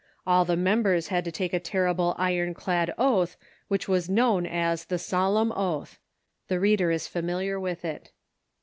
All the members had to take a ter rible iron clad oath, which was known as the solemn oath. [The reader is familiar with it.